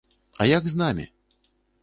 А як з намі?